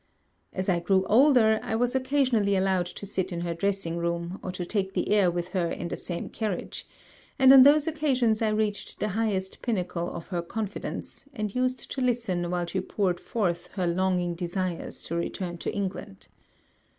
As I grew older, I was occasionally allowed to sit in her dressing room, or to take the air with her in the same carriage; and on those occasions I reached the highest pinnacle of her confidence, and used to listen while she poured forth her longing desires to return to England.